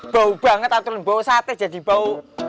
bau banget aturan bau sate jadi bau